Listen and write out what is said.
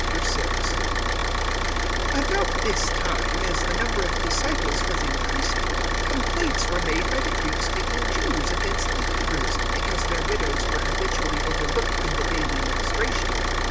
006:001 About this time, as the number of disciples was increasing, complaints were made by the Greek speaking Jews against the Hebrews because their widows were habitually overlooked in the daily ministration.